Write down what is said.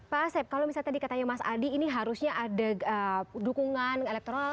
pak asep kalau misalnya tadi katanya mas adi ini harusnya ada dukungan elektoral